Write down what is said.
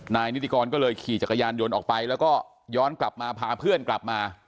นายนิติกรก็เลยขี่จักรยานยนต์ออกไปแล้วก็ย้อนกลับมาพาเพื่อนกลับมา